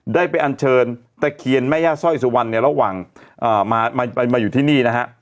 ได้ไปอันเชิญตะเคียนแม่ย่าสร้อยสุวรรณเนี่ยระหว่างมาอยู่ที่นี่นะฮะ